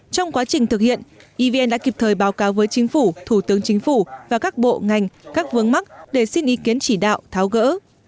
trong quá trình thực hiện evn đã kịp thời báo cáo với chính phủ thủ tướng chính phủ và các bộ ngành các vướng mắc để xin ý kiến chỉ đạo tháo gỡ